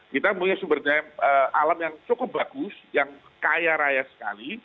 kita punya sumber daya alam yang cukup bagus yang kaya raya sekali